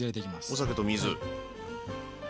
お酒と水。